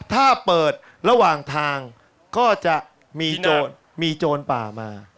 ถ้าเปิดระหว่างทางก็จะมีโจรมีโจรป่ามา